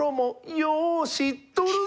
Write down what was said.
「よう知っとるぞ」。